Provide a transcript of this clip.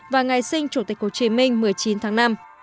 và ngày sinh chủ tịch hồ chí minh một mươi chín tháng năm